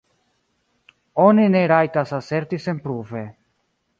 Oni ne rajtas aserti senpruve.